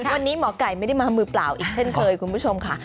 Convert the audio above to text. วันนี้หมอไก่ไม่ได้มามือเปล่าอีกเช่นเคยคุณผู้ชมค่ะ